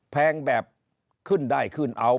แพงแบบขึ้นได้ขึ้นเอา